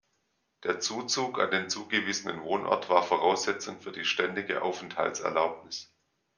Der Zuzug an den zugewiesenen Wohnort war Voraussetzung für die ständige Aufenthaltserlaubnis.